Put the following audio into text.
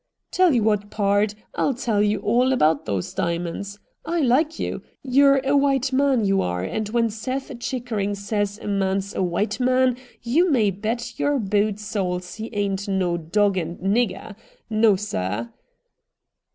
' Tell you what, pard, I'll tell you all about THE MAN FROM AFAR 51 those diamonds. I like you. You're a white man, you are, and when Seth Chickering says a man's a white man, you may bet your boot soles he ain't no doggoned nigger. Xo, sir.'